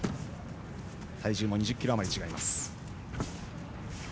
体重も２０ｋｇあまり違います。